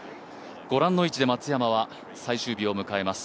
ご覧の位置で松山は最終日を迎えます。